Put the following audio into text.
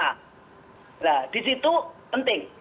nah di situ penting